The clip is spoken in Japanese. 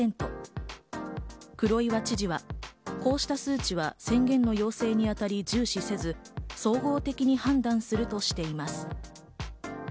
黒岩知事はこうした数値は宣言の要請に当たり重視せず、総合的に判断するとしています。